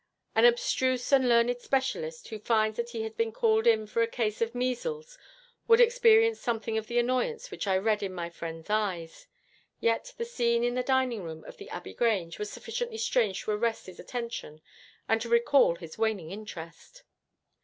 An abstruse and learned specialist who finds that he has been called in for a case of measles would experience something of the annoyance which I read in my friend's eyes. Yet the scene in the dining room of the Abbey Grange was sufficiently strange to arrest his attention and to recall his waning interest.